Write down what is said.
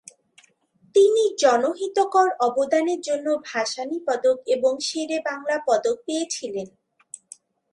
তিনি জনহিতকর অবদানের জন্য ভাসানী পদক এবং শেরে বাংলা পদক পেয়েছিলেন।